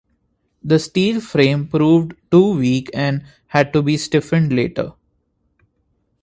The steel frame proved too weak and had to be stiffened later.